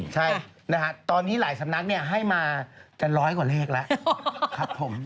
ใช่ตอนนี้หลายสำนักให้มากัน๑๐๐กว่าเลขแล้ว